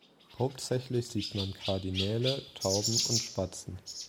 Hauptsächlich sieht man Kardinäle, Tauben und Spatzen.